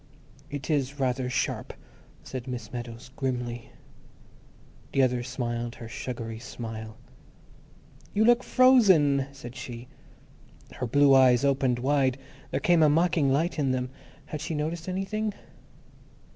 "It is rather sharp," said Miss Meadows, grimly. The other smiled her sugary smile. "You look fro zen," said she. Her blue eyes opened wide; there came a mocking light in them. (Had she noticed anything?)